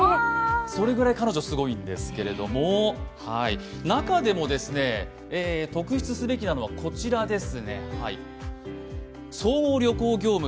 それぐらい彼女すごいんですけれども、中でも特筆すべきなのはこちらです。